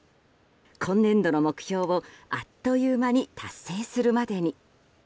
今年度の目標をあっという間に達成するまでに。